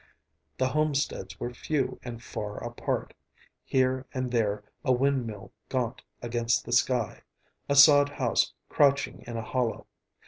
The homesteads were few and far apart; here and there a windmill gaunt against the sky, a sod house crouching in a hollow.